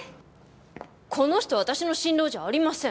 この人私の新郎じゃありません！